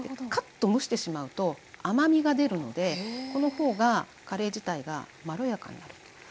かっと蒸してしまうと甘みが出るのでこの方がカレー自体がまろやかになる。